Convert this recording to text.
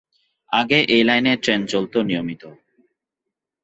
আগে এ লাইনে ট্রেন চলত নিয়মিত।